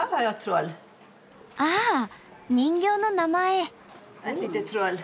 あ人形の名前。